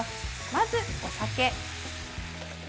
まず、お酒。